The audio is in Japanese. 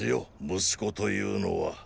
息子というのは。